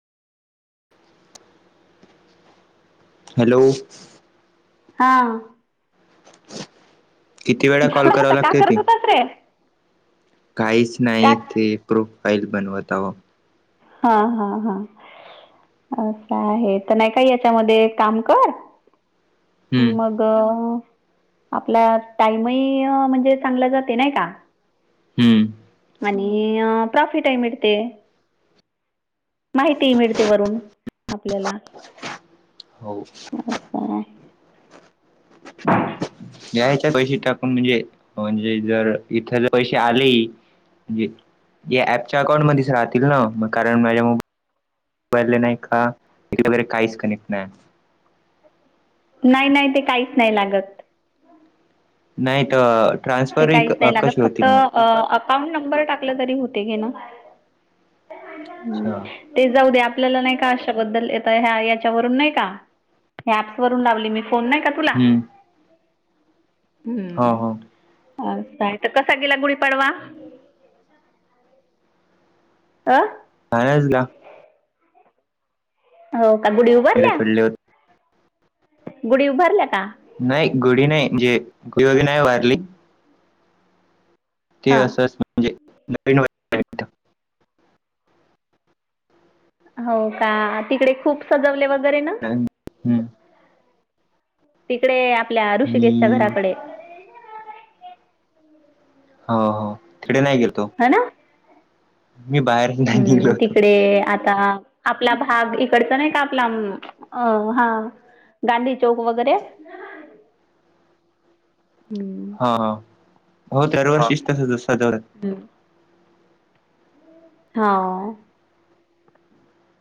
Hello हां किती वेळा कॉल झाला कराव आता का लागते करत त होतास रे काहीच का नाही ते प्रोफाईल बनवत आहो हा हा हा असं आहे तर नाही का याच्यामध्ये काम कर हम्म मग आपला टाईम ही म्हणजे चांगला जातोय नाही का हम्म आणि अ प्रॉफिट ही मिळते माहिती ही मिळते वरून आपल्याला हो अस हाय घ्यायच्या पैसे टाकून म्हणजे म्हणजे जर इथ पैसे आले म्हणजे या ऍपच्या अकाउंटमध्येच राहतील ना मग कारण माझ्या मोबाईल ला नाही का बँक वगैरे काहीच कनेक्ट नाही नाही नाही ते काहीच नाही लागत नाही तर ट्रान्सफरही कशी होतील मग अ अकाउंट नंबर टाकल तरी होते ना अच्छा ते जाऊ दे आपल्याला नाही का अशाबद्दल येत ह्या याच्यावरून नाही का ह्या ऍप्स वरून लावली मी फोन नाही का तुला हम्म हम्म हो हो अच्छा आहे तर कसा गेला गुढी पाडवा अ [inaudible] हो का गुडी वगैरे उभारल्या थोडले होते गुढी उभारल्या का नाही गुढी नाही जे गुढी वगैरे नाही उभारली ते हा असंच म्हणजे नवीन वाटतं. हो का तिकडे खूप सजवले वगैरे ना हम्म. तिकडे आपल्या ऋषिकेशच्या मी घराकडे. हो हो तिकडे नाही गेलतो. है ना. मी बाहेर नाही निघलो हम्म होतो. तिकडे आ -ता आपला भाग इकडच नाही का आपला, अ हा. गांधी चौक वगैरे. हम्म. हा हो दरवर्षीच तसंच असतं. हम्म हा.